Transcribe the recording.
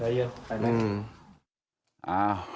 กลับไปเรื่องกันสายกัน